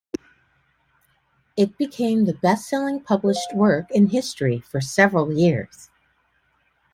It became the best selling published work in history for several years.